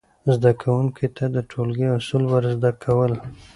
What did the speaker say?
زده کوونکو ته د ټولګي اصول ور زده کول،